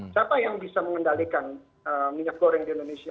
siapa yang bisa mengendalikan minyak goreng di indonesia